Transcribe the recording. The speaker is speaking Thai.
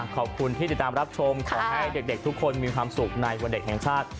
ขอบคุณที่ติดตามรับชมขอให้เด็กทุกคนมีความสุขในวันเด็กแห่งชาติ